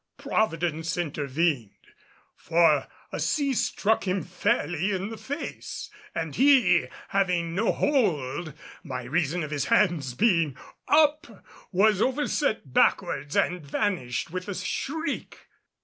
Providence intervened, for a sea struck him fairly in the face and he, having no hold by reason of his hands being up was overset backwards and vanished with a shriek.